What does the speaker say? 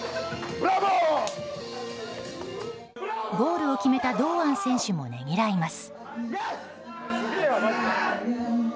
ゴールを決めた堂安選手もねぎらいます。